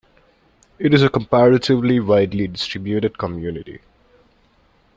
It is a comparatively widely distributed community.